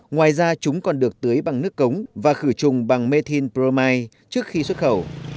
ngoài ra chúng còn được tưới bằng nước cống và khử trùng bằng methane bromide trước khi xuất khẩu